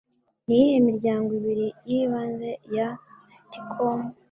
Niyihe miryango ibiri Yibanze Ya Sitcom